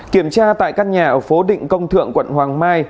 kiểm tra tại căn nhà ở phố định công thượng quận hoàng mai